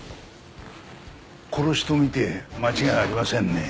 殺しと見て間違いありませんね。